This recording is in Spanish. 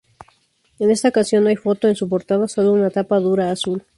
En esta ocasión no hay foto en su portada, solo una tapa dura azul.